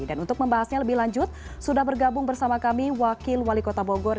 dan untuk membahasnya lebih lanjut sudah bergabung bersama kami wakil wali kota bogor